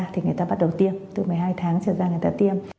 thì người ta bắt đầu tiêm từ một mươi hai tháng trở ra người ta tiêm